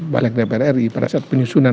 balik dpr ri pada saat penyusunan